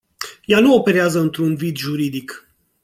Ea nu operează într-un vid juridic.